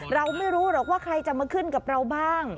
เราไม่รู้หรอกว่าใครจะมาขึ้นกับเราบ้าง